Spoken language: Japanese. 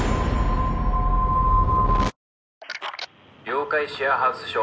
「妖怪シェアハウス署